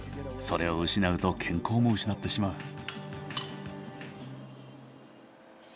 それを失うと健康も失ってしまう。